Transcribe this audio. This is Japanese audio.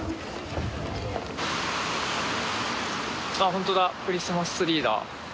ホントだクリスマスツリーだ。